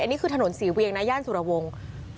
อันนี้คือถนนศรีเวียงนะย่านสุรวงศ์